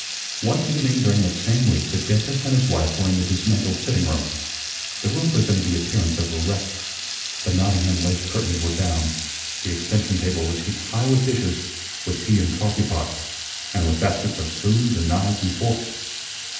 One evening during that same week the dentist and his wife were in the dismantled sitting room. The room presented the appearance of a wreck. The Nottingham lace curtains were down. The extension table was heaped high with dishes, with tea and coffee pots, and with baskets of spoons and knives and forks.